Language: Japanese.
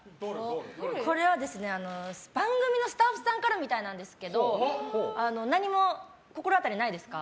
これは番組のスタッフさんからみたいなんですけど何も心当たりないですか？